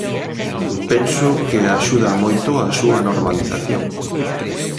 Penso que axuda moito á súa normalización.